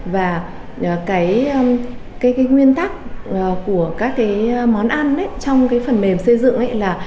và cái nguyên tắc của các cái món ăn trong cái phần mềm xây dựng là